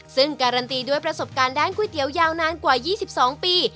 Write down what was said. ซึ่งการันตีด้วยประสบการณ์ด้านก๋วยเตี๋ยวยาวนานกว่า๒๒ปี